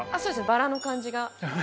バラの感じが。